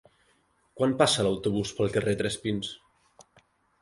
Quan passa l'autobús pel carrer Tres Pins?